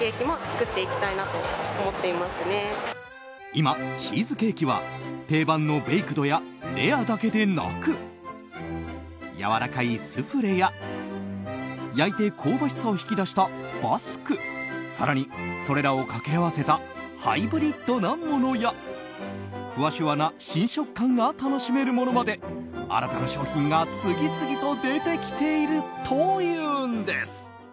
今、チーズケーキは定番のベイクドやレアだけでなくやわらかいスフレや焼いて香ばしさを引き出したバスク更にそれらを掛け合わせたハイブリッドなものやふわしゅわな新食感が楽しめるものまで新たな商品が次々と出てきているというんです。